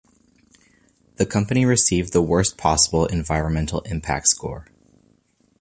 The company received the worst possible Environmental Impact score.